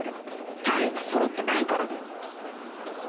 単位がそろってないからだよ！